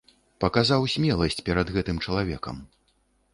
Паказаў смеласць перад гэтым чалавекам.